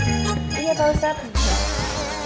iya pak ustadz